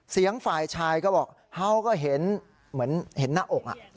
ฝ่ายชายก็บอกเขาก็เห็นเหมือนเห็นหน้าอก